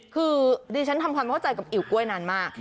คือดิฉันทำความเข้าใจกับอิ๋วกล้วยนานมาก